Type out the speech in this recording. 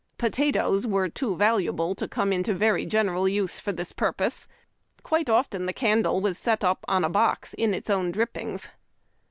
Potatoes were too valuable to come into very general use for this purpose. Quite often the candle was set up on a box in its own drippings.